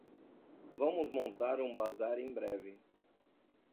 Vamos montar um bazar em breve